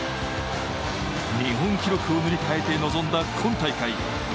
日本記録を塗り替えて臨んだ今大会。